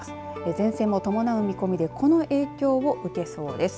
前線も伴う見込みでこの影響を受けそうです。